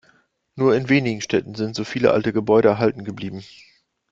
In nur wenigen Städten sind so viele alte Gebäude erhalten geblieben.